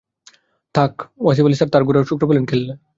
থাম্ব|স্যার ওয়াসিফ আলী তার ঘোড়া, শুক্র, পোলো খেললে